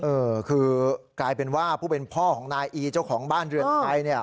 เออคือกลายเป็นว่าผู้เป็นพ่อของนายอีเจ้าของบ้านเรือนไทยเนี่ย